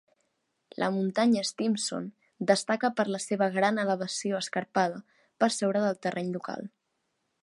La muntanya Stimson destaca per la seva gran elevació escarpada per sobre del terreny local.